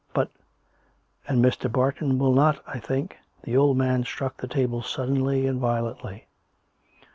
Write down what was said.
" But "" And Mr. Barton will not, I think " The old man struck the table suddenly and violently.